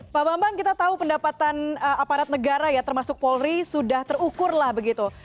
pak bambang kita tahu pendapatan aparat negara ya termasuk polri sudah terukur lah begitu